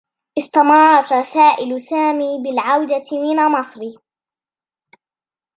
استمرّت رسائل سامي بالعودة من مصر.